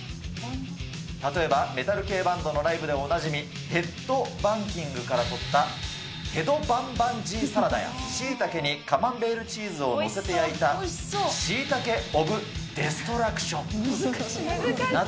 例えばメタル系バンドのライブでおなじみヘッドバンキングから取ったヘドバンバンジーサラダや、シイタケにカマンベールチーズを載せて焼いた、シイタケ・オブ・デストラクションなど。